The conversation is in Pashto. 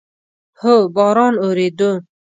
هو، باران اوورېدو